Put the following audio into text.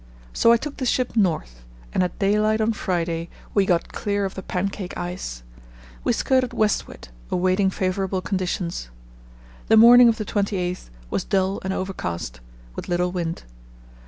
So I took the ship north, and at daylight on Friday we got clear of the pancake ice. We skirted westward, awaiting favourable conditions. The morning of the 28th was dull and overcast, with little wind.